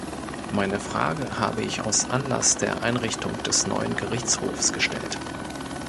Meine Frage habe ich aus Anlass der Einrichtung des neuen Gerichthofs gestellt.